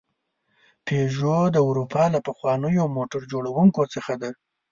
پيژو د اروپا له پخوانیو موټر جوړونکو څخه ده.